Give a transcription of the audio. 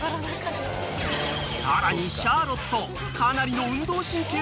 ［さらにシャーロット］